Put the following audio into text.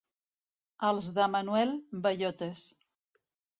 Els de Manuel, bellotes.